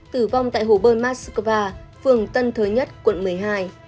tử vong tại hồ bơi mát xúc va phường tân thới nhất quận một mươi hai